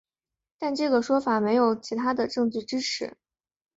但这个说法没有其他的证据支持。